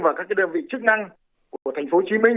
và các đơn vị chức năng của tp hcm